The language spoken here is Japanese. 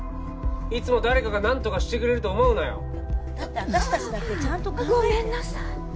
いつも誰かが何とかしてくれると思うなよだって私達だってちゃんとごめんなさい